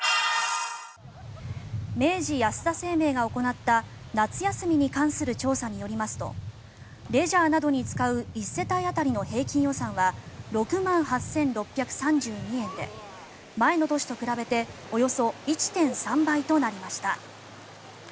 明治安田生命が行った夏休みに関する調査によりますとレジャーなどに使う１世帯当たりの平均予算は６万８６３２円で前の年と比べておよそ１．３倍となりました。